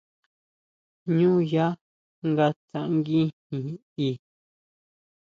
Jñú yá nga tsanguijin i.